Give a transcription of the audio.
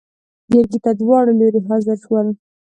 جرګې ته داوړه لورې حاضر شول.